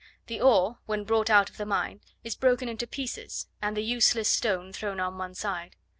The ore when brought out of the mine is broken into pieces, and the useless stone thrown on one side.